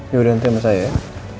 yaudah nanti sama saya ya